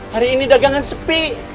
hari ini dagangan sepi